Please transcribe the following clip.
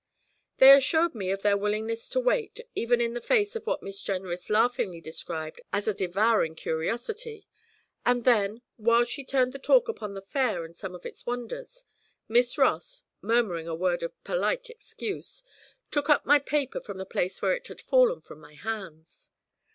They assured me of their willingness to wait, even in the face of what Miss Jenrys laughingly described as a devouring curiosity; and then, while she turned the talk upon the Fair and some of its wonders, Miss Ross, murmuring a word of polite excuse, took up my paper from the place where it had fallen from my hands.